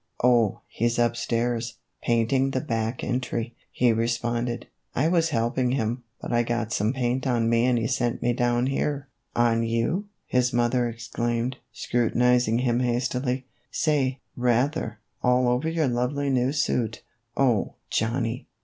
" Oh, he 's up stairs, painting the back entry," he responded. " I was helping him, but I got some paint on me and he sent me down here." " On you" his mother exclaimed, scrutinizing him hastily, " say, rather, all over your lovely new suit. Oh, Johnny